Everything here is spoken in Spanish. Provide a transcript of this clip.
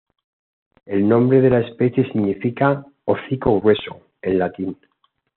El nombre de la especie significa "hocico grueso" en latín.